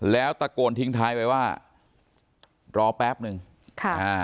แล้วตะโกนทิ้งท้ายไปว่ารอแป๊บหนึ่งค่ะอ่า